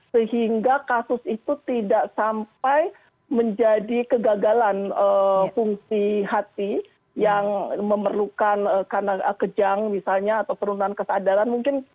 sehingga kasus itu tidak sampai menjadi kegagalan fungsi hati yang memerlukan kejang misalnya atau penurunan kesadaran mungkin